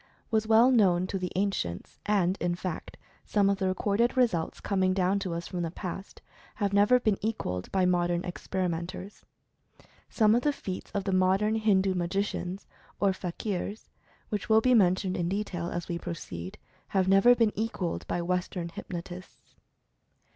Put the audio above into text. was well known to the an cients, and, in fact, some of the recorded results com ing down to us from the past, have never been equalled by modern experimentors. Some of the feats of the modern Hindu magicians, or fakirs, which will be men tioned in detail, as we proceed, have never been equalled by Western hypnotists.